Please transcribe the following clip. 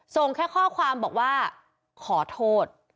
แค่ข้อความบอกว่าขอโทษ